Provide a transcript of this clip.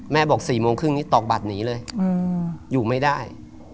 บอก๔โมงครึ่งนี้ตอกบัตรหนีเลยอยู่ไม่ได้